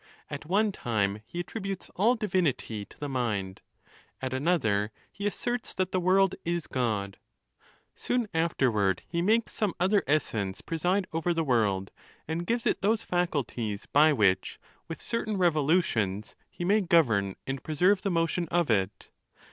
At one time he attrib utes all divinity to the mind, at another he asserts that the world is God. Soon afterward he make^ some other es 222 THE NATURE OF THE GODS. sence preside over tte world, and gives it those faculties by which, witli certain revolutions, he may govern and preserve the motion of it.